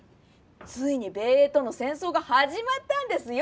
ついに米英との戦争が始まったんですよ！